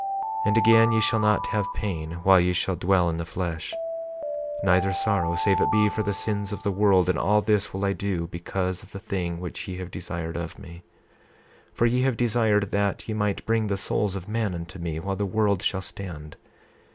28:9 And again, ye shall not have pain while ye shall dwell in the flesh, neither sorrow save it be for the sins of the world; and all this will I do because of the thing which ye have desired of me, for ye have desired that ye might bring the souls of men unto me, while the world shall stand.